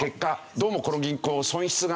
「どうもこの銀行損失が出た」